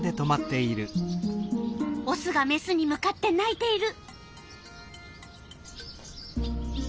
オスがメスに向かって鳴いている。